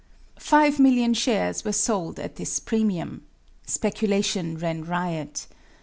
Five million shares were sold at this premium. Speculation ran riot.